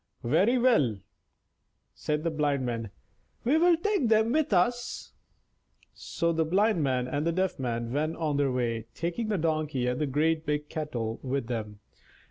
"Very well," said the Blind Man; "we will take them with us." So the Blind Man and the Deaf Man went on their way, taking the Donkey and the great big kettle with them.